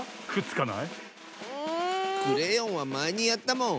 クレヨンはまえにやったもん！